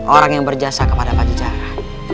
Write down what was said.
orang yang berjasa kepada pajejara